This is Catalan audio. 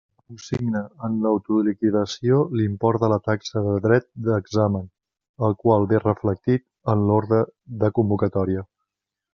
Consigne en l'autoliquidació l'import de la taxa de dret d'examen, el qual ve reflectit en l'orde de convocatòria.